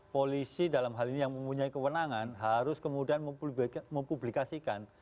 polisi dalam hal ini yang mempunyai kewenangan harus kemudian mempublikasikan